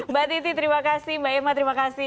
mbak titi terima kasih mbak irma terima kasih